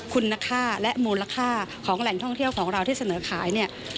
คุณค่าและมูลค่าของแหล่งท่องเที่ยวของเราที่เสนอขายเนี่ย